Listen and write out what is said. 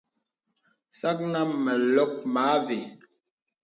Sàknə məlɔk mə àvə.